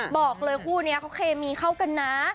บอกเลยคู่นี้เขาเคมีเข้ากันนะ